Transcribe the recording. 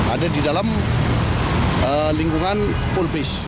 ada di dalam lingkungan pool base